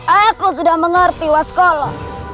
aku sudah mengerti waskolo